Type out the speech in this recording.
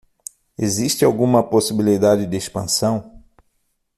Existe alguma possibilidade de expansão?